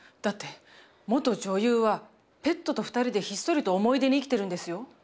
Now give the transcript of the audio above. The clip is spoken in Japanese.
だって元女優はペットと二人でひっそりと思い出に生きてるんですよ。